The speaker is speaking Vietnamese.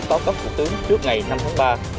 có cấp phục tướng trước ngày năm tháng ba